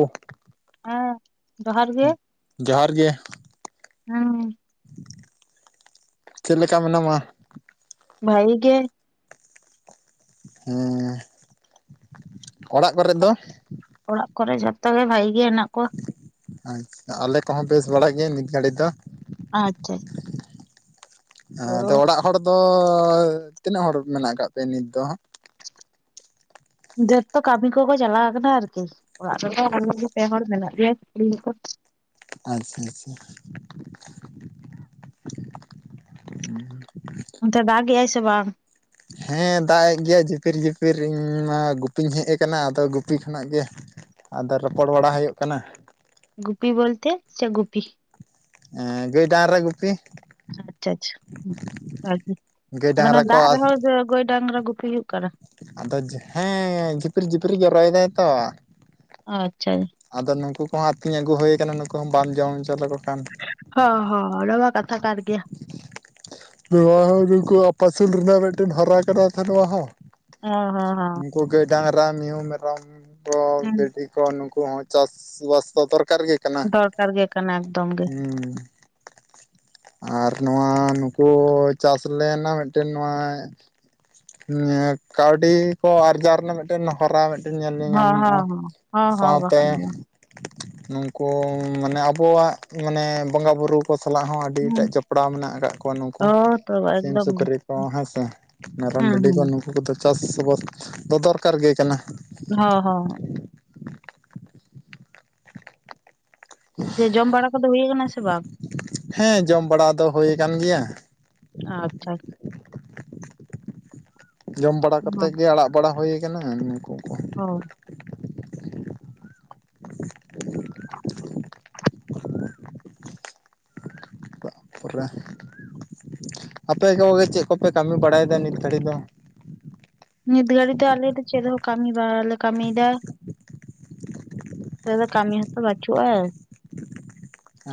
ᱳᱦ [unintelligible] ᱦᱮᱸ ᱡᱚᱦᱟᱨ ᱜᱮ ᱡᱚᱦᱟᱨ ᱜᱮ ᱦᱮᱸ ᱪᱮᱫ ᱞᱮᱠᱟ ᱢᱮᱱᱟᱢᱟ? ᱵᱷᱟᱜᱮ ᱜᱮ ᱦᱮᱸ ᱚᱲᱟᱜ ᱠᱚᱨᱮᱜ ᱫᱚ? ᱚᱲᱟᱜ ᱠᱚᱨᱮ ᱡᱷᱚᱛᱚ ᱜᱮ ᱵᱷᱟᱜᱮ ᱜᱮ ᱦᱮᱱᱟᱜ ᱠᱚᱣᱟ᱾ ᱟᱪᱪᱷᱟ ᱟᱞᱮ ᱠᱚᱦᱚᱸ ᱵᱮᱥ ᱵᱟᱲᱟ ᱜᱮ ᱱᱤᱛ ᱜᱷᱟᱹᱲᱤ ᱫᱚ᱾ ᱟᱪᱪᱷᱟ ᱟᱫᱚ ᱛᱚ ᱚᱲᱟᱜ ᱦᱚᱲ ᱫᱚ ᱛᱤᱱᱟᱹᱜ ᱦᱚᱲ ᱢᱮᱱᱟᱜ ᱠᱟᱜ ᱯᱮ ᱱᱤᱛ ᱫᱚ? ᱡᱚᱛᱚ ᱠᱟᱹᱢᱤ ᱠᱚᱠᱚ ᱪᱟᱞᱟᱣ ᱠᱟᱱᱟ ᱟᱨᱠᱤ ᱚᱲᱟᱜ ᱨᱮᱫᱚ ᱟᱞᱮ ᱜᱮ ᱯᱮ ᱦᱚᱲ ᱢᱮᱱᱟᱜ ᱞᱮᱭᱟ ᱠᱩᱲᱤ ᱦᱚᱯᱚᱱ ᱟᱪᱪᱷᱟ ᱟᱪᱪᱷᱟ [unintelligible] ᱚᱱᱛᱮ ᱫᱟᱜ ᱜᱮᱜᱟᱭ ᱥᱮ ᱵᱟᱝ? ᱦᱮᱸ ᱫᱟᱜ ᱮᱜ ᱜᱮᱭᱟ ᱡᱤᱯᱤᱨ ᱡᱤᱯᱤᱨ ᱤᱧ ᱢᱟ ᱜᱩᱯᱤᱧ ᱦᱮᱡ ᱠᱟᱱᱟ ᱟᱫᱚ ᱜᱩᱯᱤ ᱠᱷᱚᱱᱟᱜ ᱜᱮ ᱟᱫᱚ ᱨᱚᱯᱚᱲ ᱵᱟᱲᱟ ᱦᱳᱭᱳᱜ ᱠᱟᱱᱟ᱾ ᱜᱩᱯᱤ ᱵᱚᱞᱛᱮ ᱪᱮᱜ ᱜᱩᱯᱤ ᱮ ᱜᱟᱹᱭ ᱰᱟᱝᱨᱟ ᱨᱮ ᱜᱩᱯᱤ᱾ ᱟᱪᱪᱷᱟ ᱟᱪᱪᱷᱟ ᱟᱫᱚ ᱜᱟᱹᱭ ᱚᱱᱟ ᱰᱟᱝᱨᱟ ᱠᱚ ᱫᱟᱜ ᱨᱮᱦᱚᱸ ᱜᱟᱹᱭ ᱰᱟᱝᱨᱟ ᱜᱩᱯᱤ ᱦᱩᱭᱩᱜ ᱠᱟᱱᱟ ᱟᱫᱚ ᱦᱮᱸ ᱡᱷᱤᱯᱤᱨ ᱡᱷᱤᱯᱤᱨ ᱮ ᱡᱚᱨᱚᱭ ᱫᱟᱭ ᱛᱚ ᱟᱪᱪᱷᱟ ᱟᱫᱚ ᱱᱩᱠᱩ ᱠᱚᱦᱚᱸ ᱟᱛᱤᱧ ᱟᱹᱜᱩ ᱦᱳᱭ ᱠᱟᱱᱟ ᱱᱩᱠᱩ ᱦᱚᱸ ᱵᱟᱢ ᱡᱚᱢ ᱦᱚᱪᱚ ᱞᱮᱠᱚ ᱠᱷᱟᱱ ᱦᱚᱸ ᱦᱚᱸ ᱚᱱᱟ ᱢᱟ ᱠᱟᱛᱷᱟ ᱠᱟᱱ ᱜᱮᱭᱟ ᱱᱚᱣᱟ ᱦᱚᱸ ᱱᱩᱠᱩ ᱟᱯᱟᱥᱩᱞ ᱨᱮᱱᱟᱜ ᱢᱤᱫᱴᱮᱱ ᱦᱚᱨᱟ ᱠᱟᱱᱟ ᱛᱚ ᱱᱚᱣᱟ ᱦᱚᱸ ᱦᱮᱸ ᱦᱮᱸ ᱦᱮᱸ [unintelligible] ᱨᱟ ᱢᱤᱦᱩ ᱢᱮᱨᱚᱢ ᱠᱚ ᱵᱷᱤᱰᱤ ᱠᱚ ᱱᱩᱠᱩ ᱦᱚᱸ ᱪᱟᱥ ᱵᱟᱥ ᱠᱚ ᱫᱚᱨ ᱠᱟᱨ ᱜᱮ ᱠᱟᱱᱟ ᱫᱚᱨᱠᱟᱨ ᱜᱮ ᱠᱟᱱᱟ ᱮᱠᱫᱚᱢ ᱜᱮ ᱦᱩᱸ ᱟᱨ ᱱᱚᱣᱟ ᱱᱩᱠᱩ ᱪᱟᱥ ᱞᱮᱱᱟ, ᱢᱤᱫᱴᱮᱱ ᱱᱚᱣᱟ ᱠᱟᱣᱰᱤ ᱠᱚ ᱟᱨᱡᱟᱣ ᱨᱮᱱᱟᱜ ᱢᱤᱫᱴᱮᱱ ᱦᱚᱨᱟ ᱧᱮᱞ ᱦᱚᱸ ᱧᱮᱧᱟᱢᱚᱜᱼᱟ ᱦᱚᱸ ᱦᱚᱸ ᱦᱚᱸ ᱦᱚᱸ ᱥᱟᱶᱛᱮ ᱵᱟᱠᱷᱟᱱ ᱫᱚ ᱵᱟᱝ ᱱᱩᱠᱩ ᱢᱟᱱᱮ ᱟᱵᱚᱣᱟᱜ ᱢᱟᱱᱮ ᱵᱚᱸᱜᱟ ᱵᱩᱨᱩ ᱠᱚ ᱥᱟᱞᱟᱜ ᱦᱚᱸ ᱟᱹᱰᱤᱴᱟᱜ ᱡᱚᱯᱲᱟᱣ ᱢᱮᱱᱟᱜ ᱠᱟᱜ- ᱱᱩᱝᱠᱩ ᱦᱚᱸ ᱛᱚ ᱥᱤᱢ ᱮᱠᱫᱚᱢ ᱜᱮ ᱥᱩᱠᱨᱤ ᱠᱚ ᱦᱮᱸ ᱥᱮ ᱢᱮᱨᱚᱢ ᱦᱩᱸ ᱵᱷᱤᱰᱤ ᱦᱩᱸ ᱠᱚ ᱱᱩᱠᱩ ᱠᱚᱫᱚ ᱪᱟᱥ - ᱵᱟᱥ ᱫᱚ ᱫᱚᱨᱠᱟᱨ ᱜᱮ ᱠᱟᱱᱟ᱾ ᱦᱚᱸ ᱦᱚᱸ ᱛᱮ ᱡᱚᱢ ᱵᱟᱲᱟ ᱠᱚᱫᱚ ᱦᱳᱭ ᱠᱟᱱᱟ ᱥᱮ ᱵᱟᱝ? ᱦᱮᱸ ᱡᱚᱢ ᱵᱟᱲᱟ ᱫᱚ ᱦᱳᱭ ᱠᱟᱱ ᱜᱮᱭᱟ᱾ ᱟᱪᱪᱷᱟ ᱟᱪᱪᱷᱟ ᱡᱚᱢ ᱵᱟᱲᱟ ᱠᱟᱛᱮᱜ ᱦᱚᱸ ᱜᱮ ᱟᱲᱟᱜ ᱵᱟᱲᱟ ᱦᱳᱭ ᱠᱟᱱᱟ, ᱱᱩᱝᱠᱩ ᱚ [unintelligible] ᱯᱚᱨᱮ ᱟᱯᱮ ᱠᱚᱜᱮ ᱪᱮᱫ ᱠᱚᱯᱮ ᱠᱟᱹᱢᱤ ᱵᱟᱲᱟᱭ ᱫᱟ ᱱᱤᱛ ᱜᱷᱟᱹᱲᱤ ᱫᱚ? ᱱᱤᱛ ᱜᱷᱟᱹᱲᱤ ᱫᱚ ᱟᱞᱮ ᱫᱚ ᱪᱮᱫ ᱦᱚᱸ ᱠᱟᱹᱢᱤ ᱵᱟ-ᱞᱮ ᱠᱟᱹᱢᱤ ᱫᱟ᱾ ᱱᱟᱛᱮ ᱫᱚ ᱠᱟᱹᱢᱤ ᱦᱚᱸᱛᱚ ᱵᱟᱪᱩᱜᱼᱟ᱾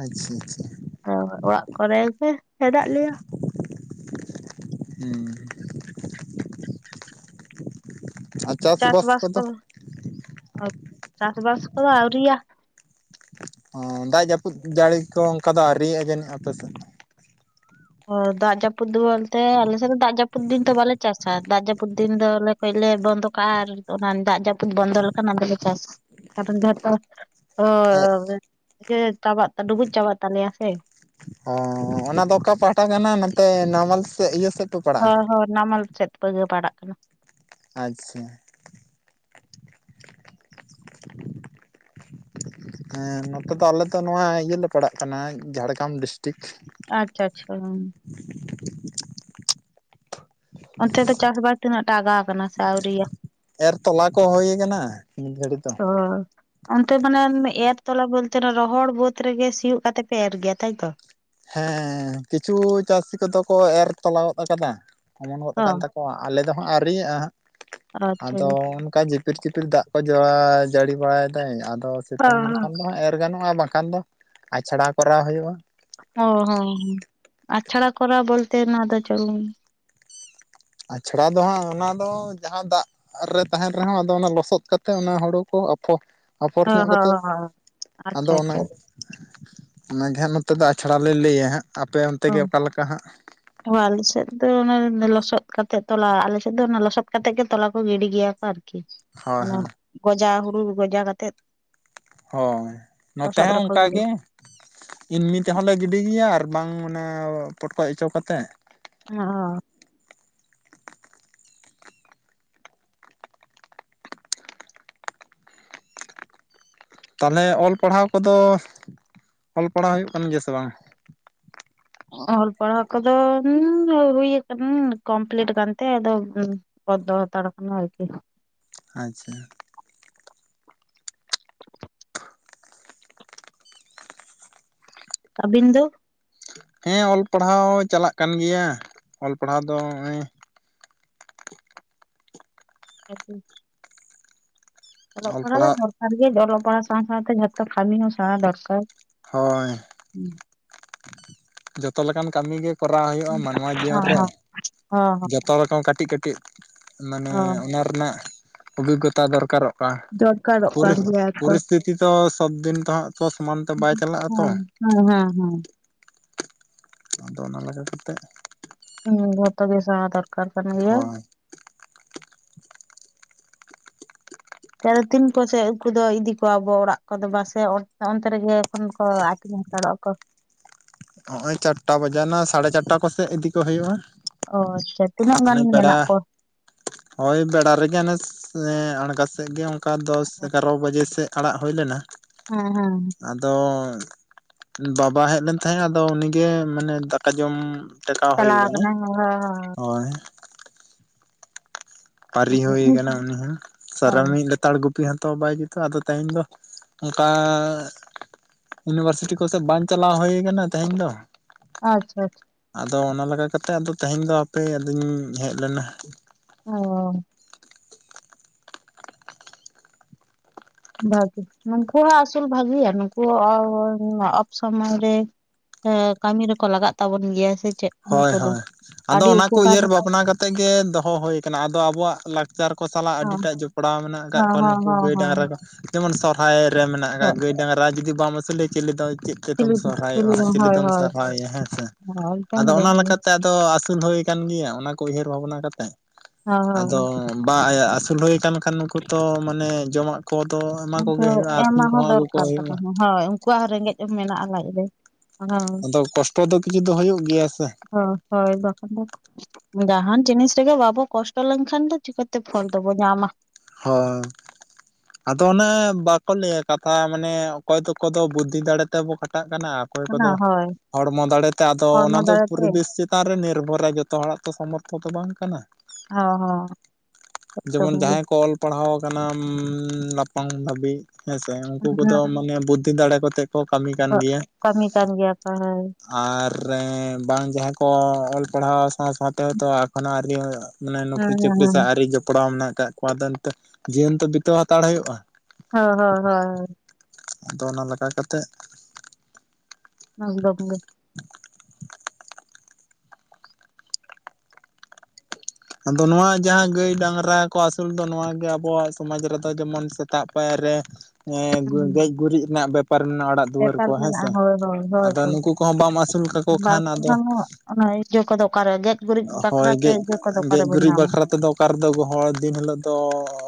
ᱟᱪᱪᱷᱟ ᱟᱪᱪᱷᱟ ᱚᱲᱟᱜ ᱠᱚᱨᱮ ᱜᱮ ᱦᱮᱰᱟᱜ ᱞᱮᱭᱟ᱾ ᱦᱮᱸ ᱪᱟᱥ ᱵᱟᱥ ᱠᱚᱫᱚ, ᱪᱟᱥ ᱵᱟᱥ ᱠᱚᱫᱚ ᱟᱣᱤ‌ ᱭᱟ᱾ ᱚ ᱫᱟᱜ ᱡᱟᱹᱯᱩᱫ ᱡᱟᱹᱲᱤ ᱠᱚ ᱚᱱᱠᱟ ᱫᱚ ᱟᱹᱣᱤᱭᱼᱟ ᱡᱟᱹᱱᱤᱡ ᱟᱯᱮ ᱥᱮᱫ ᱚ ᱫᱟᱜ ᱡᱟᱹᱯᱩᱫ ᱵᱚᱞᱛᱮ ᱟᱞᱮᱥᱮᱫ ᱫᱚ ᱫᱟᱜ ᱡᱟᱹᱯᱩᱫ ᱫᱤᱱ ᱫᱚ ᱵᱟᱞᱮ ᱪᱟᱥᱟ ᱫᱟᱜ ᱡᱟᱹᱯᱩᱫ ᱫᱤᱱ ᱫᱚᱞᱮ ᱞᱮ ᱵᱚᱱᱫᱚ ᱠᱟᱜᱼᱟ ᱟᱨ ᱚᱱᱟ ᱫᱟᱜ ᱡᱟᱹᱯᱩᱫ ᱵᱚᱱᱫᱚ ᱞᱮᱠᱷᱟᱱ ᱚᱱᱟᱫᱚᱞᱮ ᱪᱟᱥᱟ ᱠᱟᱨᱚᱱ ᱡᱚᱛᱚ ᱡᱮ ᱪᱟᱵᱟᱜ ᱰᱩᱵᱩᱡ ᱪᱟᱵᱟᱜ ᱛᱟᱞᱮᱭᱟ ᱥᱮ ᱚ ᱚᱱᱟ ᱫᱚ ᱚᱠᱟ ᱯᱟᱦᱴᱟ ᱠᱟᱱᱟ᱾ ᱱᱚᱛᱮ ᱱᱟᱢᱟᱞ ᱥᱮᱫ ᱤᱭᱟᱹ ᱥᱮᱫ ᱯᱮ ᱯᱟᱲᱟᱜᱼᱟ ᱦᱳᱭ ᱦᱳᱭ ᱱᱟᱢᱟᱞ ᱥᱮᱫ ᱵᱟᱹᱜᱟᱹ ᱯᱟᱲᱟᱜ ᱠᱟᱱᱟ᱾ ᱟᱪᱪᱷᱟ ᱦᱮᱸ ᱱᱚᱛᱮ ᱫᱚ ᱟᱞᱮ ᱫᱚ ᱱᱚᱣᱟ ᱤᱭᱟᱹᱞᱮ ᱯᱟᱲᱟᱜ ᱠᱟᱱᱟ ᱡᱷᱟᱲᱜᱨᱟᱢ ᱰᱤᱥᱴᱤᱠ ᱴᱷᱤᱠ ᱟᱪᱪᱷᱟ ᱟᱪᱪᱷᱟ ᱦᱩᱸ᱾ ᱚᱱᱛᱮ ᱫᱚ ᱪᱟᱥᱵᱟᱥ ᱛᱤᱱᱟᱹᱜ ᱴᱟᱜᱟᱣ ᱟᱠᱟᱱᱟ ᱥᱮ ᱟᱹᱣᱨ ᱮᱨ ᱛᱚᱞᱟ ᱠᱚ ᱦᱩᱭ ᱠᱟᱱᱟ ᱢᱤᱫ ᱜᱷᱟᱹᱲᱤᱡ ᱫᱚ ᱦᱳᱭ ᱚᱱᱛᱮ ᱢᱟᱱᱮ ᱮᱨ ᱛᱚᱞᱟ ᱵᱚᱞᱛᱮ ᱨᱚᱦᱚᱲ ᱵᱟᱹᱫᱽ ᱨᱮᱜᱮ ᱥᱤᱭᱳᱜ ᱠᱟᱛᱮ ᱯᱮ ᱮᱨ ᱜᱮᱭᱟ ᱛᱟᱭᱛᱚ ᱦᱮᱸ ᱠᱤᱪᱷᱩ ᱪᱟᱹᱥᱤ ᱠᱚᱫᱚ ᱠᱚ ᱮᱨ ᱛᱞᱟᱚᱫ ᱟᱠᱟᱫᱟ᱾ ᱚᱢᱚᱱ ᱜᱚᱫ ᱟᱠᱟᱱ ᱦᱚᱸ ᱛᱟᱠᱚᱣᱟ ᱟᱞᱮ ᱫᱚ ᱦᱟᱸᱜ ᱟᱹᱣᱤᱭᱮᱜᱼᱟ᱾ ᱦᱜ ᱟᱪᱪᱷᱟ ᱟᱫᱚ ᱜᱮ᱾ ᱚᱱᱠᱟ ᱡᱤ ᱪᱤᱯᱤᱨ ᱪᱤᱯᱤᱞ ᱫᱟᱜ ᱠᱚ ᱡ ᱡᱟᱹᱲᱤ ᱵᱟᱲᱟᱭᱮᱫᱟᱭ ᱟᱫᱚ ᱥᱤᱛᱩᱝ ᱦᱚᱸ ᱦᱚᱸ᱾ ᱡᱚᱠᱷᱚᱱ ᱫᱚ ᱦᱟᱸᱜ ᱮᱨ ᱜᱟᱱᱚᱜᱼᱟ ᱵᱟᱝ᱾ ᱠᱟᱱ ᱫᱚ ᱟᱪᱷᱟᱲᱟ ᱠᱚᱨᱟᱣ ᱦᱩᱭᱩᱜᱼᱟ᱾ ᱚ ᱦᱚᱸ ᱟᱪᱷᱟᱲᱟ ᱠᱚᱨᱟᱣ ᱵᱚᱞᱛᱮ ᱚᱱᱟ ᱫᱚ ᱪᱟᱞᱩ ᱟᱪᱷᱟᱲᱟ ᱫᱚ ᱦᱟᱸᱜ ᱚᱱᱟ ᱫᱚ ᱡᱟᱦᱟᱸ ᱫᱟᱜ ᱨᱮ ᱛᱟᱦᱮᱱ ᱨᱮᱦᱚᱸ ᱟᱫᱚ ᱚᱱᱟ ᱞᱚᱥᱚᱫ ᱠᱟᱛᱮ ᱚᱱᱟ ᱦᱩᱲᱩ ᱠᱚ ᱟᱯᱷᱚᱨ ᱦᱚᱸ ᱧᱚᱜ ᱦᱚᱸ ᱠᱟᱛᱮ ᱦᱚᱸ ᱟᱫᱚ ᱟᱪᱪᱷᱟ ᱚᱱᱟ ᱟᱪᱪᱷᱟ ᱚᱱᱟᱜᱮ ᱦᱟᱸᱜ ᱱᱚᱛᱮ ᱫᱚ ᱟᱪᱷᱟᱲᱟ ᱞᱮ ᱞᱟᱹᱭᱟ ᱦᱟᱸᱜ ᱟᱯᱮ ᱚᱱᱛᱮ ᱚ ᱜᱮ ᱚᱠᱟ ᱞᱮᱠᱟ ᱦᱟᱸᱜ ᱦᱚᱞ ᱥᱮ ᱫᱚ ᱚᱱᱟ ᱞᱚᱥ ᱞᱚᱥᱚᱫ ᱠᱟᱛᱮᱫ ᱛᱚᱞᱟ ᱟᱞᱮᱥᱮᱫ ᱫᱚ ᱚᱱᱟ ᱞᱚᱥᱚᱫ ᱠᱟᱛᱮᱮᱫ ᱜᱮ ᱛᱚᱞᱟ ᱠᱚ ᱜᱤᱰᱤ ᱜᱮᱭᱟ ᱠᱚ ᱟᱨᱠᱤ᱾ ᱟᱨ ᱦᱳᱭ ᱚᱱᱟ ᱦᱳᱭ ᱜᱚᱡᱟ ᱦᱩᱲᱩ ᱜᱚᱡᱟ ᱠᱟᱛᱮᱫ ᱦᱳᱭ ᱱᱚᱛᱮ ᱦᱚᱸ ᱚᱱᱠᱟᱜ ᱜᱮ ᱤᱤᱱᱢᱤ ᱛᱮᱦᱚᱸᱞᱮ ᱜᱤᱰᱤ ᱜᱮᱭᱟ ᱟᱨ ᱵᱟᱝ ᱢᱟᱱᱮ ᱯᱚᱴᱠᱚᱡ ᱚᱪᱚ ᱠᱟᱛᱮᱫ ᱚ ᱛᱟᱦᱚᱞᱮ ᱚᱞ ᱯᱟᱲᱦᱟᱣ ᱠᱚᱫᱚ ᱚᱞ ᱯᱟᱲᱦᱟᱣ ᱦᱩᱭᱩᱜ ᱠᱟᱱ ᱜᱮᱭᱟ ᱥᱮ ᱵᱟᱝ? ᱚᱞ ᱯᱟᱲᱦᱟᱣ ᱠᱚᱫᱚ ᱦᱩᱭᱩ ᱟᱠᱟᱱᱟ ᱠᱚᱢᱯᱞᱤᱴ ᱠᱟᱱᱛᱮ ᱟᱫᱚ ᱯᱚᱫᱫᱚ ᱦᱟᱛᱟᱲᱠᱷᱟᱱᱟ ᱟᱨᱠᱤ ᱟᱪᱪᱷᱟ ᱟᱹᱵᱤᱱ ᱫᱚ ᱦᱮᱸ ᱚᱞ ᱯᱟᱲᱦᱟᱣ ᱪᱟᱞᱟᱜ ᱠᱟᱱ ᱜᱮᱭᱟ ᱚᱞ ᱯᱟᱲᱦᱟᱣ ᱫᱚ ᱱᱚᱜᱼᱚᱭ᱾ ᱟᱪᱪᱷᱟ ᱚᱞᱚᱜ ᱯᱟᱲᱦᱟᱜ ᱫᱚᱨᱠᱟᱨ ᱜᱮ ᱚᱞᱚᱜ ᱯᱟᱲᱦᱟᱜ ᱥᱟᱶ ᱥᱟᱶᱶᱛᱮ ᱡᱷᱚᱛᱚ ᱠᱟᱹᱢᱤ ᱦᱚᱸ ᱥᱮᱬᱟ ᱫᱚᱨᱠᱟᱨ ᱦᱳᱭ ᱦᱚᱸ ᱡᱚᱛᱚ ᱞᱮᱠᱟᱱ ᱠᱟᱹᱢᱤᱜᱮ ᱠᱚᱨᱟᱣ ᱦᱩᱭᱩᱜᱼᱟ ᱢᱟᱱᱣᱟ ᱡᱤᱭᱚᱱ ᱨᱮ ᱦᱚᱸ ᱦᱚᱸ ᱡᱚᱛᱚ ᱨᱚᱠᱚᱢ ᱠᱟᱹᱴᱤᱡ ᱠᱟᱹᱴᱤᱡ ᱪᱮᱫ ᱢᱟᱱᱮ ᱦᱚᱸ ᱚᱱᱟ ᱨᱮᱱᱟᱜ ᱚᱵᱷᱤᱜᱚᱛᱟ ᱫᱚᱨᱠᱟ‌ᱨᱚᱜᱼᱟ ᱫᱚᱨᱠᱟᱨᱚᱜ ᱠᱟᱱ ᱜᱮᱭᱟ ᱛᱚ ᱯᱚᱨᱤᱥᱛᱷᱤᱛᱤ ᱛᱚ ᱥᱚᱵᱫᱤᱱ ᱛ ᱦᱟᱸᱜ ᱛᱚ ᱥᱚᱢᱟᱱ ᱛᱮ ᱵᱟᱭ ᱪᱟᱞᱟᱜᱼᱟ ᱛᱚ ᱦᱮᱣᱯᱧᱸ ᱦᱮᱸ ᱦᱮᱸ ᱟᱫᱚ ᱚᱱᱟ ᱞᱮᱠᱟ ᱠᱟ ᱠᱟᱛᱮᱮᱫ ᱦᱮᱸ ᱵ ᱛ ᱜᱮ ᱥᱟ ᱫᱚᱨᱠᱟᱨ ᱠᱟᱱᱟ ᱜᱮᱭᱟ [unintelligible] ᱦᱳᱭ ᱪᱮ ᱛᱤᱱ ᱠᱚᱥᱮ ᱩᱱᱠᱩ ᱫᱚ ᱤᱫᱤ ᱠᱚᱣᱟᱵᱚ ᱚᱲᱟᱜ ᱠᱚᱫᱚ ᱯᱟᱥᱮ ᱚᱱᱛᱮ ᱨᱮᱜᱮ ᱾ ᱛᱚᱠᱷᱚᱱ ᱠᱚ ᱟᱛᱤᱧ ᱦᱟᱛᱟᱲᱚᱜ ᱟᱠᱚ ᱾ ᱱᱚᱜᱼᱚᱭ ᱪᱟᱨᱴᱟ ᱵᱟᱡᱟᱜ ᱱᱟ ᱥᱟᱲᱮ ᱪᱟᱨᱴᱟ ᱠᱚᱥᱮᱫ ᱤᱫᱤ ᱠᱚ ᱦᱩᱭᱩᱜᱼᱟ ᱚ ᱟᱪᱪᱷᱟ ᱛᱤᱱᱟᱹᱜ ᱾ ᱜᱟᱱ ᱚᱱᱮ ᱯᱮᱲᱟ ᱢᱮᱱᱟᱜ ᱠᱚᱣᱟ ᱦᱳᱭ ᱯᱮᱲᱟ ᱨᱮᱜᱮ ᱚᱱᱮ ᱟᱬᱜᱟᱛ ᱥᱮᱫ ᱜᱮ ᱚᱱᱠᱟ ᱫᱚᱥ ᱮᱜᱟᱨᱚ ᱵᱟᱡᱮ ᱥᱮᱫ ᱟᱲᱟᱜ ᱦᱩᱭ ᱞᱮᱱᱟ ᱦᱮᱸ ᱦᱮᱸ ᱾ ᱟᱫᱚ ᱵᱟᱵᱟ ᱦᱮᱡ ᱞᱮᱱ ᱛᱟᱦᱮᱸᱫ ᱟᱫᱚ ᱩᱱᱤᱜᱮ ᱢᱟᱱᱮ ᱫᱟᱠᱟ ᱡᱚᱢ ᱴᱮᱠᱟᱣ ᱦᱩᱭ ᱪᱟᱞᱟᱣ ᱟᱠᱟᱱᱟ ᱟᱠᱟᱱᱟᱭ ᱦᱳᱭ ᱾ ᱯᱟᱨᱤ ᱦᱩᱭ ᱠᱟᱱᱟ ᱩᱱᱤ ᱦᱚᱸ ᱥᱟᱨᱟ ᱦᱳᱭ ᱢᱤᱫ ᱞᱮᱛᱟᱲ ᱜᱩᱯ ᱦᱚᱸᱛᱚ ᱵᱟᱭ ᱡᱩᱛᱩᱜᱼᱟ ᱟᱫᱚ ᱛᱮᱦᱮᱧ ᱫᱚ ᱚᱱᱠᱟ ᱤᱭᱩᱱᱤᱵᱷᱟᱨᱥᱤᱴᱤ ᱠᱚᱥᱮᱫ ᱵᱟᱝ ᱪᱟᱞᱟᱣ ᱦᱩᱭ ᱠᱟᱱᱟ ᱛᱮᱦᱮᱧ ᱫᱚ ᱟᱪᱪᱷᱟ ᱟᱪᱪᱷᱟ ᱾ ᱟᱫᱚ ᱚᱱᱟ ᱞᱮᱠᱟ ᱠᱟᱛᱮᱜ ᱟᱫᱚ ᱛᱮᱦᱮᱧ ᱫᱚ ᱟᱯᱮ ᱟᱞᱤᱧ ᱦᱮᱡ ᱞᱮᱱᱟ ᱚᱸ ᱵᱷᱟᱹᱜᱤ ᱱᱩᱠᱩᱣᱟᱜ ᱟᱥᱩᱞ ᱵᱷᱟᱜᱮᱭᱟ ᱱᱩᱠᱩ ᱟᱵᱚ ᱥᱚᱢᱚᱭ ᱨᱮ ᱠᱟᱹᱢᱤ ᱨᱮᱠᱚ ᱞᱟᱜᱟᱜ ᱛᱟᱵᱚᱱ ᱜᱮᱭᱟ ᱥᱮ ᱪᱮᱫ ᱦᱳᱭ ᱱᱩᱠᱩ ᱫᱚ ᱦᱳᱭ ᱟᱫᱚ ᱟᱹᱰᱤ ᱚᱱᱟ ᱠᱚ ᱩᱯᱚᱠᱟᱨ ᱩᱭᱦᱟᱹᱨ ᱵᱷᱟᱵᱽᱱᱟ ᱠᱟᱛᱮᱜ ᱜᱮ ᱫᱚᱦᱚ ᱦᱩᱭ ᱠᱟᱱᱟ ᱟᱫᱚ ᱟᱵᱚᱣᱟᱜ ᱞᱟᱜ ᱞᱟᱪᱟᱨ ᱠᱚ ᱥᱟᱞᱟᱜ ᱦᱚᱸ ᱟᱹᱰᱤᱴᱟᱜ ᱡᱚᱯᱲᱟᱣ ᱢᱮᱱᱟᱜ ᱟᱠᱟᱫ ᱦᱚᱸ ᱠᱚᱣᱟ ᱦᱚᱸ ᱱᱩᱠᱩ ᱜᱟᱹᱭ ᱰᱟᱝᱨᱟ ᱦᱚᱸ ᱠᱚ ᱡᱮᱢᱚᱱ ᱥᱚᱨᱦᱟᱭ ᱢᱮᱱᱟᱜ ᱟᱠᱟᱫ ᱦᱚᱸ ᱜᱟᱹᱭ ᱰᱟᱝᱨᱟ ᱡᱩᱫᱤ ᱵᱟᱢ ᱟᱹᱥᱩᱞᱮᱭᱟ ᱪᱤᱞᱮ ᱫᱚ ᱪᱮᱫ ᱠᱚᱛᱮᱢ ᱪᱤᱞᱤ ᱥᱚᱨᱦᱟᱭᱚᱜᱼᱟ ᱪᱤᱞᱤ ᱦᱳᱭ ᱛᱮᱢ ᱦᱳᱭ ᱥᱚᱨᱦᱟᱭᱚᱜᱼᱟ ᱦᱮᱸ ᱥᱮ ᱦᱳᱭ ᱮᱠᱫᱚᱢ ᱟᱫᱚ ᱜᱮ ᱚᱱᱟ ᱦᱳᱭ ᱞᱮᱠᱟᱛᱮ ᱟᱫᱚ ᱟᱹᱥᱩᱞ ᱦᱩᱭ ᱟᱠᱟᱱ ᱜᱮᱭᱟ ᱚᱱᱟ ᱠᱚ ᱩᱭᱦᱟᱹᱨ ᱵᱷᱟᱵᱽᱱᱟ ᱠᱟᱛᱮᱜ ᱟᱫᱚ ᱵᱟ ᱟᱹᱥᱩᱞ ᱦᱩᱭᱠᱟᱱ ᱠᱷᱟᱱ ᱱᱩᱠᱩ ᱛᱚ ᱢᱟᱱᱮ ᱡᱚᱢᱟᱜ ᱠᱚᱫᱚ ᱮᱢᱟ ᱩᱱᱠᱩ ᱠᱚᱜᱮ ᱦᱩᱭᱩᱜᱼᱟ ᱟᱹᱛᱤᱧ ᱮᱢᱟᱜ ᱦᱚᱸ ᱠᱚᱦᱚᱸ ᱟᱹᱜᱩ ᱫᱚᱨᱠᱟᱨ ᱠᱚ ᱠᱟᱱᱟ ᱦᱩᱭᱩᱜᱼᱟ ᱦᱳᱭ ᱩᱱᱠᱩᱣᱟᱜ ᱨᱮᱸᱜᱮᱡ ᱦᱚᱸ ᱢᱮᱱᱟᱜᱼᱟ ᱞᱟᱡ ᱨᱮ ᱾ ᱦᱮᱭ [unintelligible] ᱟᱫᱚ ᱠᱚᱥᱴᱚ ᱫᱚ ᱠᱤᱪᱷᱩ ᱫᱚ ᱦᱩᱭᱩᱜ ᱜᱮᱭᱟ ᱥᱮ ᱦ ᱦᱳᱭ ᱵᱟᱠᱚ [unintelligible] ᱡᱟᱦᱟᱱ ᱡᱤᱱᱤᱥ ᱨᱮᱜᱮ ᱵᱟᱵᱚ ᱠᱚᱥᱴᱚ ᱞᱮᱱᱠᱷᱟᱱ ᱫᱚ ᱪᱤᱠᱟᱹᱛᱮ ᱯᱷᱚᱞ ᱫᱚᱵᱚ ᱧᱟᱢᱟ ᱦᱳᱭ ᱾ ᱟᱫᱚ ᱚᱱᱮ ᱵᱟᱠᱚ ᱞᱟᱹᱭᱟ ᱠᱟᱛᱷᱟ ᱢᱟᱱᱮ ᱚᱠᱚᱭ ᱫᱚ ᱚᱠᱚᱭ ᱫᱚ ᱵᱩᱫᱽᱫᱷᱤ ᱫᱟᱲᱮ ᱛᱮᱵᱚ ᱠᱷᱟᱴᱟᱜ ᱠᱟᱱᱟ ᱚᱠᱚᱭ ᱚᱱᱟ ᱠᱚᱫᱚ ᱦᱳᱭ ᱦᱚᱲᱢᱚ ᱫᱟᱲᱮᱛᱮ ᱟᱫᱚ ᱚᱱᱟ ᱦᱚᱲᱢᱚ ᱫᱚ ᱫᱟᱲᱮᱛᱮ ᱦᱚᱸ ᱯᱚᱨᱤᱵᱮᱥ ᱪᱮᱛᱟᱱ ᱨᱮ ᱱᱤᱨᱵᱷᱚᱨᱟ ᱡᱚᱛᱚ ᱦᱚᱲᱟᱜ ᱛᱚ ᱥᱚᱢᱚᱨᱛᱷᱚ ᱫᱚ ᱵᱟᱝ ᱠᱟᱱᱟ ᱦᱳ ᱦᱳ ᱡᱮᱢᱚᱱ ᱾ ᱡᱟᱦᱟᱸᱭ ᱠᱚ ᱚᱞ ᱯᱟᱲᱦᱟᱣ ᱟᱠᱟᱱᱟᱢ ᱞᱟᱯᱷᱟᱝ ᱫᱷᱟᱹᱵᱤᱡ ᱦᱮᱸᱥᱮ ᱩᱱᱠᱩ ᱠᱚᱫᱚ ᱢᱟᱱᱮ ᱵᱩᱫᱽᱫᱷᱤ ᱫᱟᱲᱮ ᱠᱚᱛᱮ ᱠᱚ ᱠᱟᱹᱢᱤ ᱠᱟᱱ ᱜᱮᱭᱟ ᱠᱟᱹᱢᱤ ᱠᱟᱱ ᱜᱮᱭᱟ ᱠᱚ ᱦᱳᱭ ᱟᱨ ᱨᱮ ᱵᱟᱝ ᱡᱟᱦᱟᱸᱭ ᱠᱚ ᱚᱞ ᱯᱟᱲᱦᱟᱣ ᱥᱟᱶ ᱥᱟᱶᱛᱮ ᱦᱚᱭᱛᱚ ᱟᱠᱚᱱᱟᱜ ᱟᱹᱨᱱᱤ ᱦᱩᱭᱩᱜ - ᱟ ᱾ ᱢᱟᱱᱮ ᱦᱮᱸ ᱱᱚᱩᱠᱨᱤ ᱦᱮᱸ ᱪᱟᱹᱠᱨᱤ ᱦᱮᱸ ᱥᱟᱶ ᱟᱹᱣᱨᱤ ᱡᱚᱯᱲᱟᱣ ᱢᱮᱱᱟᱜ ᱠᱟᱫ ᱠᱚᱣᱟ ᱫᱚ ᱱᱤᱛᱚᱜ ᱡᱤᱭᱚᱱ ᱛᱚ ᱵᱤᱛᱟᱹᱣ ᱦᱟᱛᱟᱲ ᱦᱩᱭᱩᱜᱼᱟ ᱾ ᱦᱳᱭ ᱦᱳᱭ ᱦᱩᱭ ᱾ ᱟᱫᱚ ᱚᱱᱟ ᱞᱮᱠᱟ ᱠᱟᱛᱮᱜ ᱾ ᱟ ᱰᱵ [unintelligible] ᱜᱮ [unintelligible] ᱟᱫᱚ ᱱᱚᱣᱟ ᱡᱟᱦᱟᱸ ᱜᱟᱹᱭ ᱰᱟᱝᱨᱟ ᱠᱚ ᱟᱹᱥᱩᱞ ᱫᱚ ᱱᱚᱣᱟᱜᱮ ᱟᱵᱚᱣᱟᱜ ᱥᱚᱢᱟᱡ ᱨᱮᱫᱚ ᱡᱮᱢᱚᱱ ᱥᱮᱛᱟᱜ ᱯᱟᱭᱟᱨ ᱨᱮ ᱜᱮᱡ ᱜᱩᱨᱤᱡ ᱨᱮᱱᱟᱜ ᱵᱮᱯᱟᱨ ᱵᱮᱯᱟᱨ ᱨᱮᱱᱟᱜ ᱚᱲᱟᱜ ᱫᱩᱣᱟᱹᱨ ᱠᱚ ᱵᱮᱯᱟᱨ ᱦᱮᱸ ᱢᱮᱱᱟᱜᱼᱟ ᱥᱮ ᱦᱳᱭ ᱦᱳᱭ ᱦᱳᱭ ᱟᱫᱚ ᱛᱚ ᱱᱩᱠᱩ ᱠᱚᱦᱚᱸ ᱵᱟᱢ ᱟᱹᱥᱩᱞ ᱠᱟᱠᱚ ᱠᱷᱟᱱ ᱟᱫᱚ ᱚ ᱠᱚᱫᱚ ᱚᱠᱟᱨᱮ ᱜᱮᱡ ᱜᱩᱨᱤᱡ ᱦᱳᱭ ᱵᱟᱠᱷᱨᱟᱛᱮ ᱜᱮᱡ ᱤᱭᱟᱹᱠᱚᱫᱚ [unintelligible] ᱜᱮᱡ ᱜᱩᱨᱤᱡ ᱵᱟᱠᱷᱨᱟ ᱛᱮᱫᱚ ᱚᱠᱟᱨᱮᱫᱚ ᱦᱚᱲ ᱫᱤᱱ ᱦᱤᱞᱳᱜ ᱫᱚ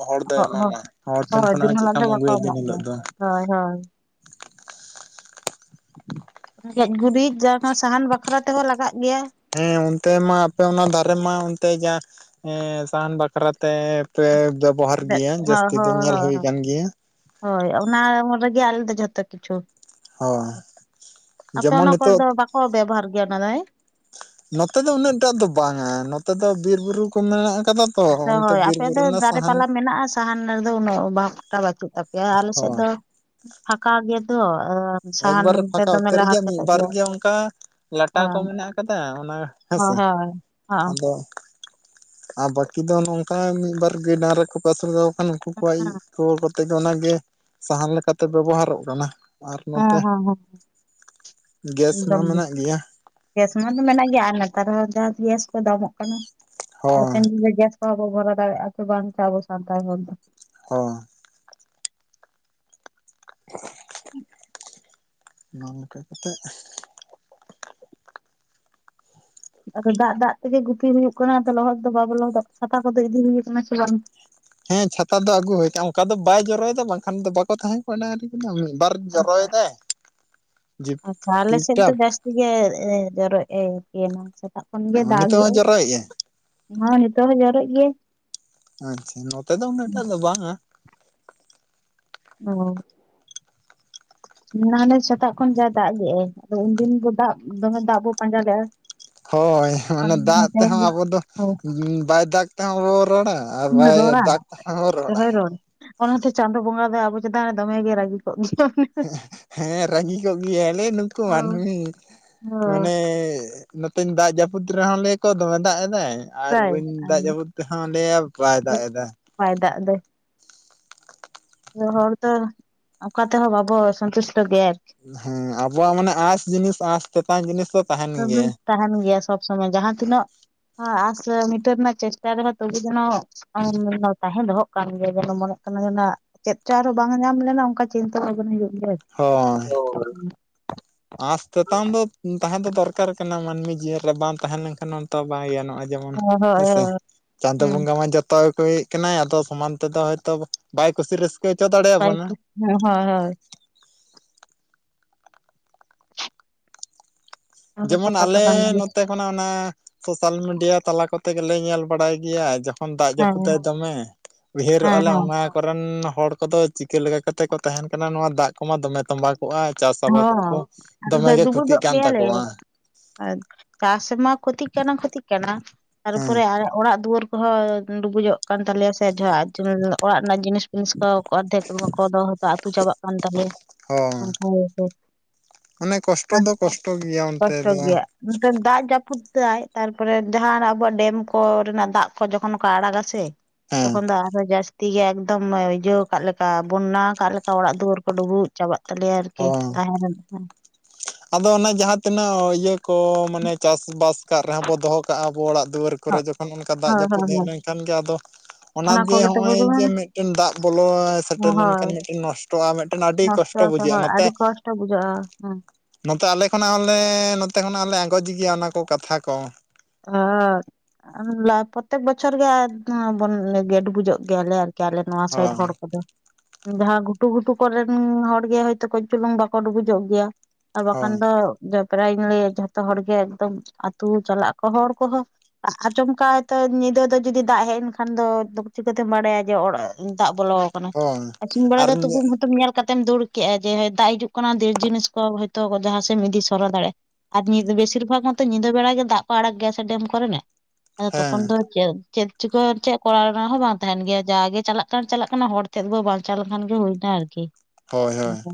ᱦᱚᱲ ᱫᱚᱭ ᱦᱚᱸ ᱦᱚᱸ ᱮᱢᱟᱢᱟ ᱦᱚᱲ ᱴᱷᱮᱱ ᱦᱳᱭ ᱠᱷᱚᱱᱟᱜ ᱫᱤᱱ ᱦᱚ ᱦᱤᱞᱳᱜ ᱪᱮᱫᱠᱟᱢ ᱵᱟᱠᱚ ᱟᱹᱜᱩᱭᱟ ᱫᱤᱱ ᱮᱢᱚᱜ ᱜᱮᱭᱟ ᱦᱤᱞᱳᱜ ᱫᱚ ᱦᱳᱭ ᱦᱳᱭ ᱾ ᱜᱮᱡ ᱜᱩᱨᱤᱡ ᱡᱟᱸᱦᱟ ᱥᱟᱦᱟᱱ ᱵᱟᱠᱷᱨᱟ ᱛᱮᱦᱚᱸ ᱞᱟᱜᱟᱜ ᱾ ᱦᱮᱸ ᱚᱱᱛᱮ ᱢᱟ ᱟᱯᱮ ᱚᱱᱟ ᱫᱟᱨᱮ ᱢᱟ ᱚᱱᱛᱮ ᱡᱟ ᱥᱟᱦᱟᱱ ᱵᱟᱠᱷᱨᱟᱛᱮ ᱛᱮ ᱯᱮ ᱵᱮᱵᱚᱦᱟᱨ ᱵᱮ- ᱜᱮᱭᱟ ᱦᱳᱭ ᱡᱟᱹᱥᱛᱤ ᱫᱚ ᱦᱳᱭ ᱧᱮᱞ ᱦᱳᱭ ᱦᱩᱭ ᱦᱳᱭ ᱟᱠᱟᱱ ᱜᱮᱭᱟ ᱦᱳᱭ ᱚᱱᱟ ᱨᱮᱜᱮ ᱟᱞᱮ ᱫᱚ ᱡᱷᱚᱛᱚ ᱠᱤᱪᱷᱩ ᱦᱳᱭ ᱟᱯᱮ ᱡᱮᱢᱚᱱ ᱚᱱᱟ ᱠᱚᱨᱮ ᱱᱤᱛᱚᱜ ᱫᱚ ᱵᱟᱠᱚ ᱵᱮᱵᱚᱦᱟᱨ ᱜᱮᱭᱟ ᱯᱟᱞᱮ ᱱᱚᱛᱮ ᱫᱚ ᱩᱱᱟᱹᱜ ᱴᱟᱜ ᱫᱚ ᱵᱟᱝᱟ ᱱᱚᱛᱮ ᱫᱚ ᱵᱤᱨᱼ ᱵᱩᱨᱩ ᱠᱚ ᱢᱮ ᱟ ᱦᱳᱭ ᱟᱯᱮ ᱫᱚ ᱫᱟᱨᱮ ᱯᱟᱞᱟ ᱢᱮᱱᱟᱜᱼᱟ ᱥᱟᱦᱟᱱ ᱨᱮᱫᱚ ᱩᱱᱟᱹᱜ ᱚᱵᱷᱟᱵᱽᱴᱟᱜ ᱵᱟᱹᱪᱩᱜ ᱛᱟᱯᱮᱭᱟ ᱟᱞᱮ ᱥᱮᱫ ᱦᱳᱭ ᱫᱚ ᱯᱷᱟᱠᱟ ᱜᱮ ᱮᱠᱵᱟᱨᱮ ᱯᱷᱟᱠᱟ ᱩᱛᱟᱹᱨ ᱜᱮᱭᱟ ᱢᱤᱫ ᱵᱟᱨ ᱜᱮ ᱚᱱᱠᱟ ᱞᱟᱴᱟ ᱠᱚ ᱦᱳᱭ ᱢᱮᱱᱟᱜ ᱠᱟᱫᱟ ᱚᱱᱟ ᱦᱳᱭ ᱦᱮᱸᱥᱮ ᱦᱳᱭ ᱦᱚᱸ ᱟᱫᱚ ᱟᱨ ᱵᱟᱹᱠᱤ ᱫᱚ ᱱᱚᱝᱠᱟ ᱢᱤᱫ ᱵᱟᱨ ᱜᱟᱹᱭ ᱰᱟᱝᱨᱟ ᱠᱚᱠᱚ ᱟᱥᱩᱞ ᱫᱚᱦᱚ ᱠᱚ ᱠᱷᱟᱱ ᱩᱱᱠᱩ ᱠᱚᱣᱟᱜ ᱤᱡ ᱠᱚ ᱛᱚᱵᱮ ᱚᱱᱟᱜᱮ ᱥᱟᱦᱟᱱ ᱞᱮᱠᱟᱛᱮ ᱵᱮᱵᱚᱦᱟᱨᱚᱜ ᱠᱟᱱᱟ ᱦᱮᱸ ᱱᱚᱛᱮ ᱦᱮᱸ ᱦᱮᱸ ᱜᱮᱥ ᱮᱠᱫᱚᱢ ᱢᱟ ᱜᱮ ᱢᱮᱱᱟᱜ ᱜᱮᱭᱟ ᱠᱮᱥᱢᱚᱱ ᱫᱚ ᱢᱮᱱᱟᱜ ᱜᱮᱭᱟ ᱟᱨ ᱱᱮᱛᱟᱨ ᱦᱚᱸ ᱜᱮᱥ ᱠᱚ ᱫᱟᱢᱚᱜ ᱠᱟᱱᱟ ᱦᱳᱭ [unintelligible] ᱵᱷᱚᱨᱟᱣ ᱦᱳᱭ ᱟᱠᱚ ᱵᱟᱝᱠᱚ ᱥᱟᱱᱛᱟᱲ ᱦᱚᱲ ᱫᱚ ᱦᱚᱸ ᱦᱮ [unintelligible] ᱦᱮᱸ [unintelligible] ᱱᱚ [unintelligible] ᱱᱚᱝᱠᱟ ᱠᱟᱛᱮ [unintelligible] ᱟᱫᱚ ᱫᱟᱜ ᱫᱟᱜ ᱛᱮᱜᱮ ᱜᱩᱯᱤ ᱦᱩᱭᱩᱜ ᱠᱟᱱᱟ ᱟᱫᱚ ᱞᱚᱦᱚᱫ ᱫᱚ ᱵᱟᱵᱚ ᱞᱚᱦᱚᱫᱚᱜ ᱥᱟᱯᱷᱟ ᱠᱚᱫᱚ ᱤᱫᱤ ᱦᱩᱭ ᱠᱟᱱᱟ ᱥᱮ ᱵᱟᱝ ᱦᱮᱸ ᱪᱷᱟᱛᱟ ᱫᱚ ᱟᱹᱜᱩ ᱦᱩᱭᱠᱚᱜᱼᱟ ᱚᱱᱠᱟ ᱫᱚ ᱵᱟᱭ ᱡᱚᱨᱚᱭᱮᱫᱟ ᱵᱟᱝᱠᱷᱟᱱ ᱫᱚ ᱵᱟᱠᱚ ᱛᱟᱦᱮᱸ ᱠᱚᱜᱼᱟ ᱰᱟᱝᱨᱤ ᱠᱟᱱᱟ [unintelligible] ᱡᱤᱯ ᱟᱪᱪᱷᱟ ᱟᱞᱮ ᱥᱮᱫ ᱫᱚ ᱴᱤᱯᱴᱟᱯ ᱡᱟᱹᱥᱛᱤ ᱜᱮ ᱡᱚᱨᱚᱜ ᱮ [unintelligible] ᱱᱤᱛᱚᱜ ᱦᱚᱸ ᱡᱚᱨᱚᱭᱮᱫᱼᱟᱭ ᱦᱚᱸ ᱱᱤᱛᱚᱜ ᱦᱚᱸ ᱡᱚᱨᱚᱜ ᱜᱮ ᱟᱪᱪᱷᱟ ᱱᱚᱛᱮ ᱫᱚ ᱩᱱᱟᱹᱜ ᱴᱟᱜ ᱫᱚ ᱵᱟᱝᱼᱟ ᱚ ᱱᱚᱛᱮ ᱥᱮᱛᱟᱜ ᱠᱷᱚᱱ ᱡᱮ ᱫᱟᱜ ᱜᱮ ᱟᱭ ᱟᱫᱚ ᱩᱱᱫᱤᱱ ᱵᱚ ᱫᱟᱜ ᱫᱚᱢᱮ ᱫᱟᱜ ᱵᱚᱱ ᱯᱟᱸᱡᱟ ᱞᱮᱫᱼᱟ ᱦᱳᱭ ᱢᱟᱱᱮ ᱫᱟᱜ ᱛᱮᱦᱚᱸ ᱟᱵᱚ ᱫᱚ ᱵᱟᱭ ᱫᱟᱜ ᱛᱮᱦᱚᱸ ᱟᱵᱚ ᱨᱚᱲᱟ ᱦᱳᱭ ᱨᱚᱲᱟ [unintelligible] ᱚᱱᱟ ᱦᱚᱛᱮ ᱪᱟᱸᱫᱳ ᱵᱚᱸᱜᱟ ᱟᱵᱚ ᱪᱮᱛᱟᱱᱮ ᱫᱚᱢᱮ ᱜᱮ ᱨᱟᱹᱜᱤ ᱠᱚᱜ ᱢᱮ ᱦᱮᱸ ᱨᱟᱹᱜᱤ ᱠᱚᱜ ᱜᱮᱭᱟᱞᱮ ᱱᱩᱠᱩ ᱦᱚᱸ ᱢᱟᱹᱱᱢᱤ ᱦᱚᱸ ᱢᱟᱱᱮ ᱱᱚᱛᱮᱧ ᱫᱟᱜ ᱡᱟᱹᱯᱩᱫ ᱨᱮᱦᱚᱸ ᱞᱟᱹᱭᱟᱠᱚ ᱫᱚᱢᱮ ᱫᱟᱜ ᱮᱫᱟᱭ ᱟᱨ ᱯᱨᱟᱭ ᱵᱟᱹᱧ ᱫᱟᱜ ᱡᱟᱹᱯᱩᱫ ᱛᱮᱦᱚᱸ ᱞᱟᱹᱭᱟ ᱵᱟᱭ ᱫᱟᱜ ᱮᱫᱟ ᱵᱟᱭ ᱫᱟᱜ ᱫᱟᱭ ᱦᱚᱲ ᱫᱚ ᱚᱠᱟ ᱛᱮᱦᱚᱸ ᱵᱟᱵᱚ ᱥᱚᱱᱛᱩᱥᱴ ᱦᱮᱸ ᱟᱵᱚᱣᱟᱜ ᱢᱟᱱᱮ ᱟᱸᱥ ᱡᱤᱱᱤᱥ ᱟᱥ ᱛᱮᱛᱟᱱ ᱡᱤᱱᱤᱥ ᱫᱚ ᱛᱟᱦᱮᱱ ᱛᱚᱵ ᱜᱮᱭᱟ ᱛᱟᱦᱮᱱ ᱜᱮᱭᱟ ᱥᱚᱵᱽ ᱥᱚᱢᱚᱭ ᱡᱟᱦᱟᱸ ᱛᱤᱱᱟᱹᱜ ᱟᱸᱥ ᱢᱤᱴᱟᱹ ᱨᱮᱱᱟᱜ ᱪᱮᱥᱴᱟ ᱨᱮᱦᱚᱸ ᱛᱚᱵᱮ ᱡᱮᱱᱚ ᱛᱟᱦᱮᱸ ᱫᱚᱦᱚᱸ ᱠᱟᱱ ᱜᱮ ᱡᱮᱱᱚ ᱢᱚᱱᱮ ᱠᱟᱱᱟ ᱪᱮᱫ ᱪᱚᱝ ᱟᱨᱚ ᱵᱟᱝ ᱧᱟᱢ ᱞᱮᱱᱟ ᱚᱱᱠᱟ ᱪᱤᱱᱛᱟᱹ ᱵᱷᱟᱵᱚᱱ ᱦᱩᱭᱩᱜ ᱠᱟᱱᱟ [unintelligible] ᱟᱥ ᱛᱮᱛᱟᱝ ᱫᱚ ᱛᱟᱦᱮᱸ ᱫᱚ ᱫᱚᱨᱠᱟᱨ ᱠᱟᱱᱟ ᱢᱟᱹᱱᱢᱤ ᱡᱤᱭᱚᱱ ᱨᱮ ᱵᱟᱝ ᱛᱟᱦᱮᱸ ᱞᱮᱱᱠᱷᱟᱱ ᱦᱚᱸᱛᱚ ᱵᱟᱭ ᱜᱟᱱᱚᱜ ᱡᱮᱢᱚᱱ ᱦᱳᱭ ᱦᱳᱭ ᱦᱮᱸᱥᱮ ᱦᱳᱭ ᱪᱟᱸᱫᱳ ᱵᱚᱸᱜᱟ ᱢᱟ ᱡᱚᱛᱚ ᱮᱫ ᱠᱟᱱᱟᱭ ᱟᱫᱚ ᱥᱚᱢᱟᱱ ᱛᱮᱫᱚ ᱦᱚᱭᱛᱚ ᱵᱟᱭ ᱠᱩᱥᱤ ᱨᱟᱹᱥᱠᱟᱹ ᱪᱚ ᱛᱟᱲᱮᱭᱟᱵᱚᱱᱟ ᱦᱳᱭ ᱦᱳᱭ ᱦᱳᱭ ᱚᱱᱟ ᱛᱚ ᱡᱮᱢᱚᱱ ᱠᱟᱛᱷᱟ ᱟᱞᱮ ᱠᱟᱱ ᱜᱮᱭᱟ ᱱᱚᱛᱮ ᱠᱷᱚᱱᱟᱜ ᱚᱱᱟ ᱥᱳᱥᱟᱞ ᱢᱤᱰᱤᱭᱟ ᱛᱟᱞᱟ ᱠᱚᱛᱮ ᱛᱮᱜᱮᱞᱮ ᱧᱮᱞ ᱵᱟᱲᱟᱭ ᱜᱮᱭᱟ ᱡᱟ ᱫᱟᱜ ᱡᱟᱹᱯᱩᱫᱟᱭ ᱦᱮᱸ ᱫᱚᱢᱮ ᱦᱮᱸ ᱩᱭᱦᱟᱹᱨᱚᱜᱼᱟᱞᱮ ᱦᱮᱸ ᱚᱱᱟ ᱠᱚᱨᱮᱱ ᱦᱚᱲ ᱠᱚᱫᱚ ᱪᱤᱠᱟᱹ ᱞᱮᱠᱟ ᱠᱟᱛᱮ ᱠᱚ ᱛᱟᱦᱮᱱ ᱠᱟᱱᱟ ᱱᱚᱣᱟ ᱫᱟᱜ ᱠᱚᱢᱟ ᱫᱚᱢᱮ ᱛᱚᱢᱵᱟᱜ ᱪᱟᱥ ᱟᱵᱟᱫᱽ ᱠᱚ ᱫᱚᱢᱮ ᱜᱮ ᱠᱷᱚᱛᱤᱜ ᱠᱟᱱ ᱛᱟᱠᱚᱣᱟ ᱦᱮᱸ ᱟᱨ ᱪᱟᱥ ᱢᱟ ᱠᱷᱚᱛᱤᱜ ᱠᱟᱱᱟ ᱠᱷᱚᱛᱤᱜ ᱠᱟᱱᱟ ᱦᱮᱸ ᱛᱟᱨᱯᱚᱨᱮ ᱚᱲᱟᱜ ᱫᱩᱣᱟᱹᱨ ᱠᱚ ᱦᱚ ᱵᱩᱡᱚᱜ ᱠᱟᱱ ᱛᱟᱞᱮᱭᱟ ᱥᱮ ᱡᱚ ᱚᱲᱟᱜ ᱨᱮᱱᱟᱜ ᱡᱤᱱᱤᱥ ᱡᱤᱱᱤᱥ ᱠᱚ ᱟᱫᱷᱮᱠ ᱠᱚ ᱫᱚᱚ ᱟᱹᱛᱩ ᱪᱟᱵᱟᱜ ᱠᱟᱱ ᱛᱟᱞᱮᱭᱟ᱾ ᱦᱚ ᱚᱱᱠᱟ ᱫᱚ ᱠᱚᱥᱴᱚ ᱜᱮᱭᱟ ᱚᱱᱛᱮ ᱠᱚᱥᱴᱚ ᱫᱚ ᱜᱮᱭᱟ᱾ ᱢᱮᱱᱠᱷᱟᱱ ᱫᱟᱜ ᱡᱟᱹᱯᱩᱫ ᱡᱩᱛᱟᱹᱜᱟᱭ ᱛᱟᱨᱯᱚᱨᱮ ᱡᱟᱦᱟᱸ ᱟᱵᱚᱣᱟᱜ ᱰᱮᱢ ᱠᱚᱨᱮᱱᱟᱜ ᱫᱟᱜ ᱠᱚ ᱡᱚᱠᱷᱚᱱ ᱠᱚ ᱟᱲᱟᱜᱟ ᱥᱮ ᱦᱮᱸ ᱛᱚᱠᱷᱚᱱ ᱫᱚ ᱟᱨᱦᱚᱸ ᱡᱟᱥᱛᱤ ᱛᱤᱜᱮ ᱮᱠᱫᱚᱢ ᱤᱭᱟᱹᱣ ᱠᱟᱜ ᱞᱮᱠᱟ᱾ ᱵᱚᱱᱱᱟ ᱠᱟᱜ ᱞᱮᱠᱟ ᱚᱲᱟᱜ ᱫᱩᱣᱟᱹᱨ ᱠᱚ ᱰᱩᱵᱩᱡ ᱪᱟᱵᱟᱜ ᱛᱟᱞᱮᱭᱟ ᱤ ᱚ ᱛᱟᱸᱦᱮ ᱨᱮᱱ ᱟᱫᱚ ᱚᱱᱟ ᱡᱟᱦᱟᱸᱛᱤᱱᱟᱹᱜ ᱤᱭᱟᱹ ᱠᱚ ᱢᱟᱱᱮ ᱪᱟᱥᱵᱟᱥ ᱠᱟᱜ ᱨᱮᱦᱚᱸ ᱵᱚ ᱫᱚᱦᱚ ᱠᱟᱜᱼᱟ ᱟᱵᱚ ᱚᱲᱟᱜ ᱫᱩᱣᱟᱹᱨ ᱠᱚᱨᱮ ᱡᱚᱠᱷᱚᱱ ᱚᱱᱠᱟ ᱫᱟᱜ ᱦᱳᱭ ᱡᱟᱹᱯᱩᱫ ᱦᱳᱭ ᱦᱮᱡ ᱦᱳᱭ ᱞᱮᱱᱠᱷᱟᱱ ᱜᱮ ᱟᱫᱚ ᱚᱱᱟ ᱡᱮ ᱠᱚᱜᱮ ᱛᱚ ᱱᱚᱜᱼᱚᱭ ᱵᱩᱡᱷᱟᱹᱣ ᱡᱮ ᱢᱤᱫᱴᱮᱱ ᱫᱟᱜ ᱵᱚᱞᱚ ᱥᱮᱴᱮᱨ ᱞᱮᱱᱠᱷᱟᱱ ᱢᱤᱫᱴᱮᱱ ᱱᱚᱥᱴᱚᱜᱼᱟ ᱢᱤᱫᱴᱮᱱ ᱟᱹᱰᱤ ᱠᱚᱥᱴᱚᱜᱼᱟ᱾ ᱦᱭ ᱟᱹᱰᱤ ᱠᱚᱥᱴᱚ ᱵᱩᱡᱷᱟᱹᱜᱼᱟ ᱦᱮ ᱱᱚᱛᱮ ᱟᱞᱮ ᱠᱷᱚᱱᱟᱜ ᱦᱚᱸᱞᱮ ᱱᱚᱛᱮ ᱠᱷᱚᱱᱟᱜ ᱞᱮ ᱟᱸᱜᱚᱪ ᱜᱮᱭᱟ ᱚᱱᱟ ᱠᱚ ᱠᱟᱛᱷᱟ ᱠᱚ ᱟᱨ ᱯᱨᱚᱛᱛᱮᱠ ᱵᱚᱪᱷᱚᱨ ᱜᱮ ᱵᱚᱱ ᱜᱮ ᱰᱩᱵᱩᱡᱚᱜ ᱜᱮᱭᱟᱞᱮ ᱟᱨᱠᱤ ᱞᱮ ᱱᱚᱣᱟ ᱥᱟᱭᱰ ᱦᱳᱭ ᱦᱚᱲ ᱠᱚᱫᱚ ᱡᱟᱦᱟᱸ ᱜᱷᱩᱴᱩ ᱜᱷᱩ ᱠᱚᱨᱮᱱ ᱦᱚᱲ ᱜᱮ ᱦᱚᱭᱛᱳ ᱠᱟᱹᱡ ᱪᱩᱞᱩᱝ ᱵᱟᱠᱚ ᱰᱩᱵᱩᱡᱚᱜ ᱜᱮᱭᱟ᱾ ᱟᱨ ᱵᱟᱠᱷᱟᱱ ᱦᱳᱭ ᱫᱚ ᱡᱚᱚᱵᱨᱟᱧ ᱞᱟᱹᱭᱟ ᱡᱷᱚᱛᱚ ᱦᱚᱲᱜ ᱮᱠᱫᱚᱢ ᱟᱹᱛᱩ ᱪᱟᱞᱟᱜ ᱠᱟᱱᱟ᱾ ᱦᱚᱲ ᱠᱚᱦᱚᱸ ᱟ ᱟᱪᱟᱢᱠᱟ ᱧᱤᱫᱟᱹ ᱫᱚ ᱡᱩᱫᱤ ᱫᱟᱜ ᱦᱮᱡ ᱮᱱ ᱠᱷᱟᱱ ᱫᱚ ᱪᱤᱠᱟᱹᱛᱮᱢ ᱵᱟᱲᱟᱭᱟ ᱡᱮ ᱫᱟᱜ ᱵᱚᱞᱚ ᱟᱠᱟᱱᱟ ᱦᱳᱭ ᱤᱥᱤᱱ ᱵᱮᱲᱟ ᱟᱨ ᱫᱚ ᱛᱩᱯᱩ ᱦᱛᱚᱢ ᱧᱮᱞ ᱠᱟᱛᱮ ᱛᱮᱢ ᱫᱩᱲᱵ ᱠᱮᱜᱼᱟ ᱡᱮ ᱫᱟᱜ ᱦᱤᱡᱩᱜ ᱠᱟᱱᱟ ᱰᱮᱨ ᱡᱤᱱᱤᱥ ᱠᱚ ᱦᱳᱭᱛᱳ ᱡᱟᱦᱟᱸᱥᱮᱫ ᱮᱢ ᱤᱫᱤ ᱥᱚᱨᱚ ᱫᱟᱲᱮᱭᱟᱜᱼᱟ ᱟᱨ ᱧᱤᱫᱟᱹ ᱫᱚ ᱵᱮᱥ ᱵᱮᱥᱤᱨ ᱵᱷᱟᱜᱽ ᱢᱚᱛᱚ ᱧᱤᱫᱟᱹ ᱵᱮᱲᱟ ᱜᱮ ᱫᱟᱜ ᱠᱚ ᱟᱲᱟᱜ ᱜᱮᱭᱟ ᱥᱮ ᱰᱮᱢ ᱠᱚᱨᱮᱱᱟᱜ ᱟᱫᱚ ᱦᱮᱸ ᱛᱚᱠᱷᱱ ᱫᱚ ᱪᱮᱫ ᱪᱮᱫ ᱪᱤᱠᱟᱹ ᱪᱮᱫ ᱠᱚᱨᱟᱣ ᱨᱮᱱᱟᱜ ᱦᱚᱸ ᱵᱟᱝ ᱛᱟᱦᱮᱱ ᱜᱮᱭᱟ ᱡᱟᱜᱮ ᱪᱟᱞᱟᱜ ᱠᱟᱱ ᱪᱟᱞᱟᱜ ᱠᱟᱱᱟ ᱦᱚᱲ ᱪᱮᱫ ᱵᱚᱱ ᱵᱟᱧᱪᱟᱣ ᱞᱮᱠᱷᱟᱱ ᱜᱮ ᱦᱩᱭᱱᱟ ᱟᱨᱠᱤ ᱦᱳᱭ ᱦᱳᱭ ᱚᱱᱠᱟ